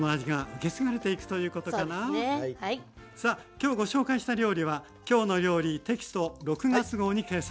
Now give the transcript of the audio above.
今日ご紹介した料理は「きょうの料理」テキスト６月号に掲載しています。